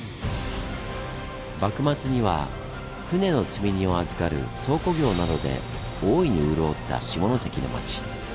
幕末には船の積み荷を預かる倉庫業などで大いに潤った下関の町。